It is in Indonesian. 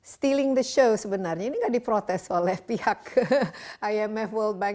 stelling the show sebenarnya ini nggak diprotes oleh pihak imf world bank